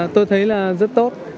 tôi thấy là rất tốt